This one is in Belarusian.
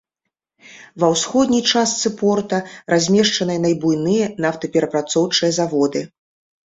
Ва ўсходняй частцы порта размешчаныя найбуйныя нафтаперапрацоўчыя заводы.